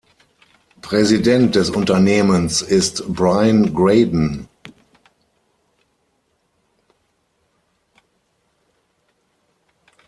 Präsident des Unternehmens ist Brian Graden.